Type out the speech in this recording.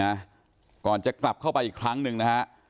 นะก่อนจะกลับเข้าไปอีกครั้งหนึ่งนะฮะ